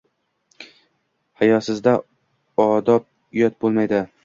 Hayosizda odob, uyat bo‘lmaydi.